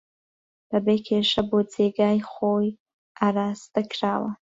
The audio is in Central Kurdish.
بەبێ کێشە بۆ جێگای خۆی ئاراستەکراوە